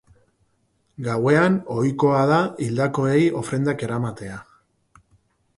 Gauean, ohikoa da hildakoei ofrendak eramatea.